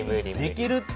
できるって！